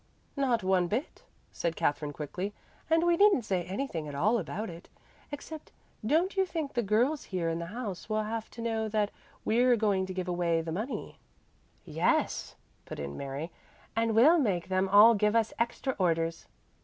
"Not one bit," said Katherine quickly. "And we needn't say anything at all about it, except don't you think the girls here in the house will have to know that we're going to give away the money?" "Yes," put in Mary, "and we'll make them all give us extra orders."